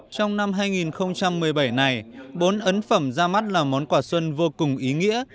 trong năm hai nghìn một mươi bảy này bốn ấn phẩm ra mắt là món quà xuân vô cùng ý nghĩa